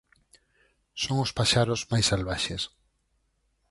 Son os paxaros máis salvaxes.